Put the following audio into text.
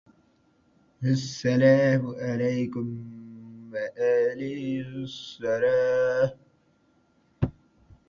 The celebration phase allows students to develop their teamwork and presentation skills.